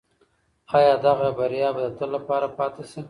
آیا دغه بریا به د تل لپاره پاتې شي؟